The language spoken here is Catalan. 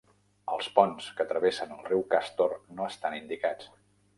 Els ponts que travessen el riu Castor no estan indicats.